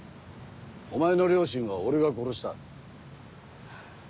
お前の両親は俺が殺した。